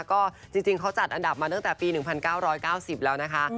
ก็จริงเขาจัดอันดับมาตั้งแต่ปี๑๙๙๐แล้วนะคะ